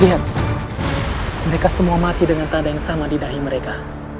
lihat mereka semua mati dengan tanda yang sama di dahi mereka